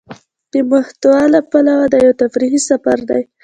د محتوا له پلوه دا يو تفريحي سفر دى.